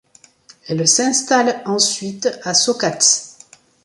Elle s'installe ensuite à Saucats.